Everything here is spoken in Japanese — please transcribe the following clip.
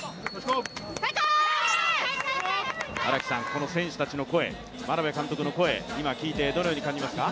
この選手たちの声、眞鍋監督の声、今聞いてどのように感じますか。